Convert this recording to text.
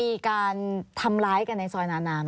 มีใครต้องจ่ายค่าคุมครองกันทุกเดือนไหม